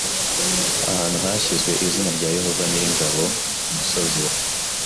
ahantu hashyizwe izina rya Yehova nyir ingabo ku musozi wa